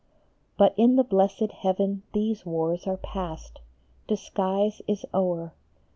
But in the blessed heaven these wars are past ; Disguise is o er